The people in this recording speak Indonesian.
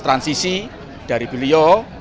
transisi dari beliau